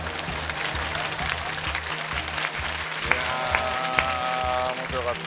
いや面白かった。